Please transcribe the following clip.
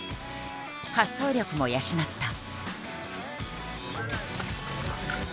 発想力も養った。